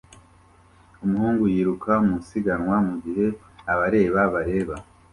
Umuhungu yiruka mu isiganwa mugihe abareba bareba